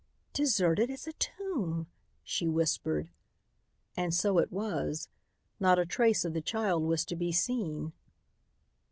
"Deserted as a tomb," she whispered. And so it was. Not a trace of the child was to be seen.